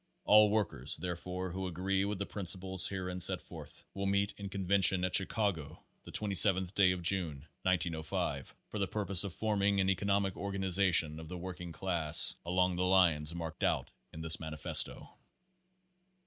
All workers, therefore, who agree with the princi ples herein set forth, will meet in convention at Chi cago the 27th day of June, 1905, for the purpose of forming an economic organization of the working class along the lines marked out in this manifesto.